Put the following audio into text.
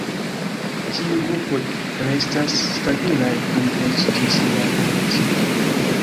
Tiuj grupoj restas stabilaj dum eĉ ĝis du generacioj.